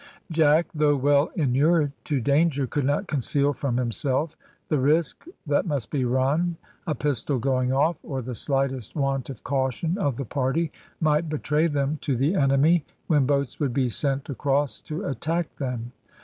Jack, though well inured to danger, could not conceal from himself the risk that must be run, a pistol going off, or the slightest want of caution of the party, might betray them to the enemy, when boats would be sent across to attack them.